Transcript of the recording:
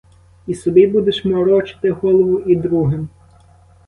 І собі будеш морочити голову і другим.